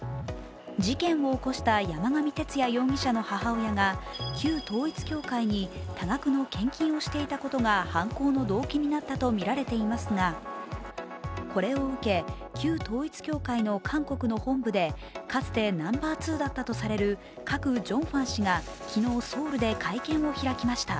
事件を起こした山上徹也容疑者の母親が旧統一教会に多額の献金をしていたことが犯行の動機になったとみられていますがこれを受け、旧統一教会の韓国の本部でかつてナンバー２だったとされるカク・ジョンファン氏が昨日、ソウルで会見を開きました。